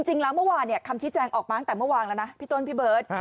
จริงแล้วเมื่อวานคำชี้แจงออกมาตั้งแต่เมื่อวานแล้วนะพี่ต้นพี่เบิร์ต